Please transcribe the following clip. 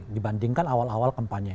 dibandingkan awal awal keempatnya